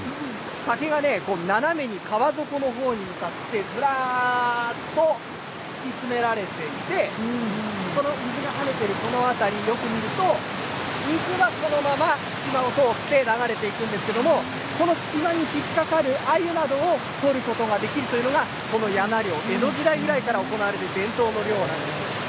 竹がね、斜めに川底のほうに向かってずらっと敷き詰められていて、この水がはねているこの辺り、よく見ると、水がこのまま隙間を通って流れていくんですけれども、この隙間に引っ掛かるアユなどを取ることができるというのが、このやな漁、江戸時代ぐらいから行われている伝統の漁なんです。